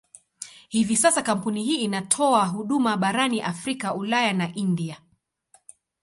Hivi sasa kampuni hii inatoa huduma barani Afrika, Ulaya na India.